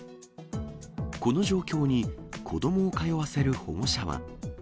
この状況に、子どもを通わせる保護者は。